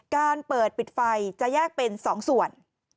การเปิดปิดไฟจะแยกเป็น๒ส่วน